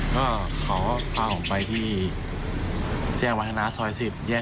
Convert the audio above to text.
ก็เขาพาผมไปที่แจ้งวัฒนาซอย๑๐แยก